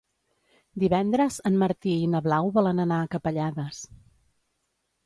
Divendres en Martí i na Blau volen anar a Capellades.